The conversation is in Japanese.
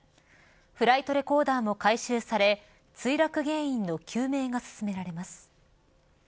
フライトレコーダーも回収され墜落原因の究明が進められます。